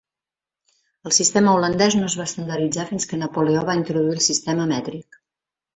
El sistema holandès no es va estandarditzar fins que Napoleó va introduir el sistema mètric.